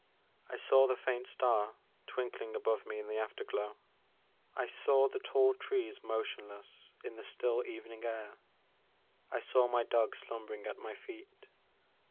I saw the faint star twinkling above me in the afterglow, I saw the tall trees motionless in the still evening air, I saw my dog slumbering at my feet.